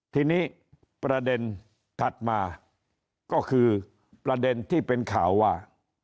ทีนี้ประเด็นถัดมาก็คือประเด็นที่เป็นข่าวว่า